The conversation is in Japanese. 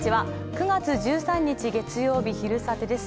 ９月１３日月曜日、「昼サテ」です。